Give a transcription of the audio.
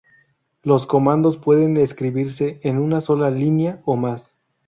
Los comandos pueden escribirse en una sola línea, o más.